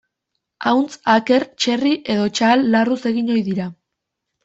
Ahuntz, aker, txerri edo txahal larruz egin ohi dira.